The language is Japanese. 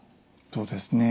そうですね。